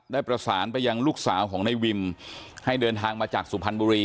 ได้ประสานไปยังลูกสาวของนายวิมให้เดินทางมาจากสุพรรณบุรี